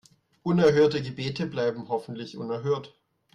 Unerhörte Gebete bleiben hoffentlich unerhört.